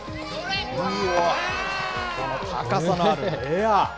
この高さのあるエア。